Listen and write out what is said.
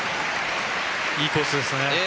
いいコースですね。